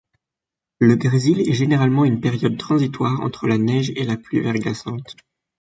Le grésil est généralement une période transitoire entre la neige et la pluie verglaçante.